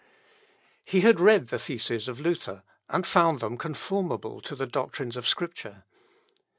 He had read the theses of Luther, and found them conformable to the doctrines of Scripture.